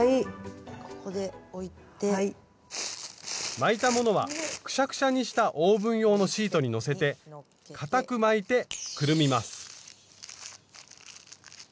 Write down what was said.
巻いたものはくしゃくしゃにしたオーブン用のシートにのせてかたく巻いてくるみます。